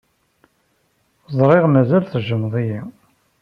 Ẓriɣ mazal tejjmeḍ-iyi.